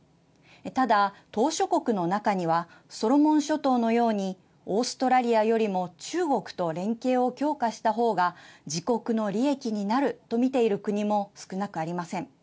ただ、島しょ国の中にはソロモン諸島のようにオーストラリアよりも中国と連携を強化したほうが自国の利益になると見ている国も少なくありません。